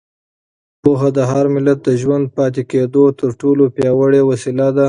پوهه د هر ملت د ژوندي پاتې کېدو تر ټولو پیاوړې وسیله ده.